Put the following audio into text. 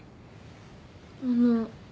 あの。